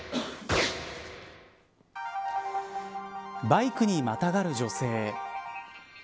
バイクにまたがる女性。